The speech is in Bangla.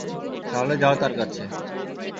তাহলে যাও তার কাছে!